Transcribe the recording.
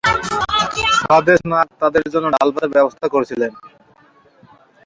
স্বদেশ নাগ তাদের জন্য ডাল-ভাতের ব্যবস্থা করেছিলেন।